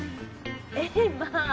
ええまあ。